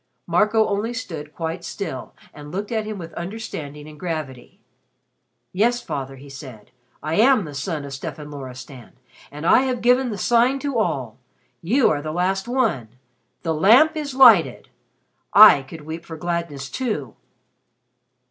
Marco only stood quite still and looked at him with understanding and gravity. "Yes, Father," he said. "I am the son of Stefan Loristan, and I have given the Sign to all. You are the last one. The Lamp is lighted. I could weep for gladness, too."